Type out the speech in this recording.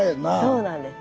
そうなんです。